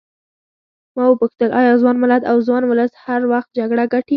ما وپوښتل ایا ځوان ملت او ځوان ولس هر وخت جګړه ګټي.